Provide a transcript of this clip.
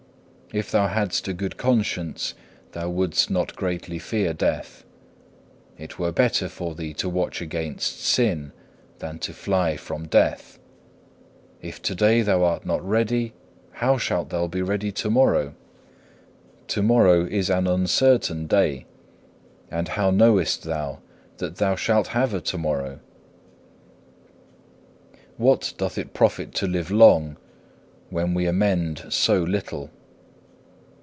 If thou hadst a good conscience thou wouldst not greatly fear death. It were better for thee to watch against sin, than to fly from death. If to day thou art not ready, how shalt thou be ready to morrow? To morrow is an uncertain day; and how knowest thou that thou shalt have a to morrow? 2. What doth it profit to live long, when we amend so little?